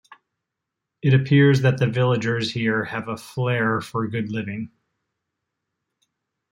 It appears that the villagers here have a flarir for good living.